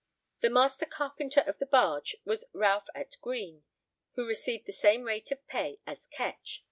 The master carpenter of the barge was Ralph atte Grene, who received the same rate of pay as Kech.